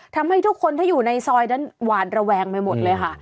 ทำให้ทุกคนที่อยู่ในซอยนั้นหวานระแวงไปหมดเลยค่ะ